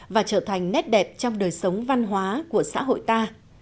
và trở thành nét đẹp trong đời sống văn hóa của xã hội ta